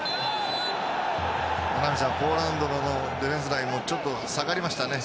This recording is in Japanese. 名波さん、ポーランドのディフェンスラインもちょっと下がりましたね。